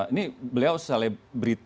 ini beliau selebrit